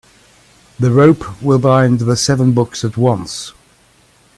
The rope will bind the seven books at once.